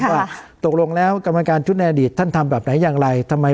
ค่ะว่าตกลงแล้วกรรมพธิการชุดในอดีตท่านทำแบบไหนอย่างไร